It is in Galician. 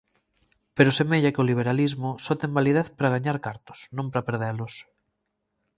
Pero semella que o liberalismo só ten validez para gañar cartos, non para perdelos.